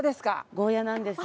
ゴーヤーなんです。